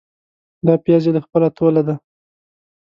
دا پیاز يې له خپله توله دي.